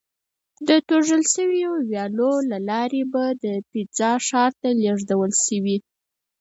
د توږل شویو ویالو له لارې به د پیترا ښار ته لېږدول شوې.